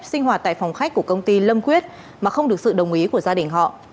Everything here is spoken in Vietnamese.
sinh hoạt tại phòng khách của công ty lâm quyết mà không được sự đồng ý của gia đình họ